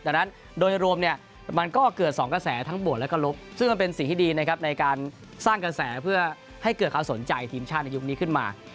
ดังนั้นโดยรวมเนี่ยมันก็เกิดสองกระแสทั้งบวกแล้วก็ลบซึ่งมันเป็นสิ่งที่ดีนะครับในการสร้างกระแสเพื่อให้เกิดความสนใจทีมชาติในยุคนี้ขึ้นมา